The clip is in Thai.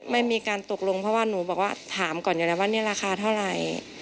ไม่มีการตกลงเพราะว่าหนูบอกว่าถามก่อนอยู่แล้วว่านี่ราคาเท่าไหร่